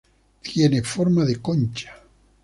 Tiene forma de concha.